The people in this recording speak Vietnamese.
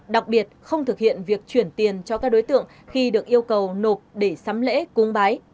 đặc biệt không thực hiện việc chuyển tiền cho các đối tượng khi được yêu cầu nộp để sắm lễ cúng bái